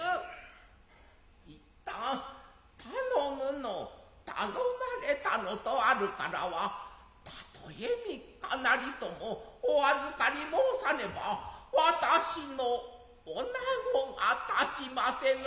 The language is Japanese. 一旦頼むの頼まれたのとあるからはたとへ三日なりともお預かり申さねば私の女子が立ちませぬ。